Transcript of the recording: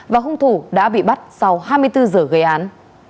và hung thủ đã bị bắt sau hai mươi bốn giờ gây án